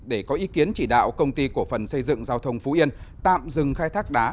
để có ý kiến chỉ đạo công ty cổ phần xây dựng giao thông phú yên tạm dừng khai thác đá